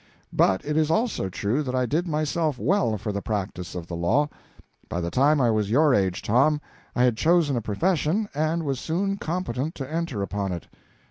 But it is also true that I did fit myself well for the practice of the law. By the time I was your age, Tom, I had chosen a profession, and was soon competent to enter upon it."